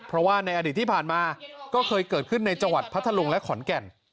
เพราะว่าในอดีตที่ผ่านมาก็เคยเกิดขึ้นในจังหวัดพัทธลุงและขอนแก่น